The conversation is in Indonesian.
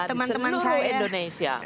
di seluruh indonesia